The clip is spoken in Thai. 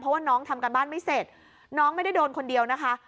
เพราะว่าน้องทำการบ้านไม่เสร็จน้องไม่ได้โดนคนเดียวนะคะ